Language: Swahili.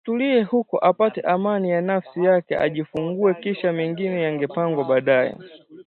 Atulie huko, apate amani ya nafsi yake, ajifungue, kisha mengine yangepangwa baadaye